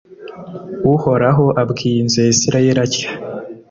Uhoraho abwiye inzu ya Israheli atya :